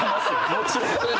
もちろん。